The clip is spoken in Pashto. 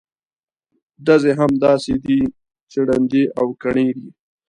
ډزې هم داسې دي چې ړندې او کڼې دي.